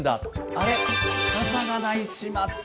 あれっ、傘がない！しまった！